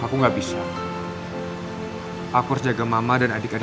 aku nggak bisa aku harus jaga mama dan adik adik